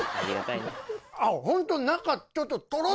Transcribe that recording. あっホント中ちょっと。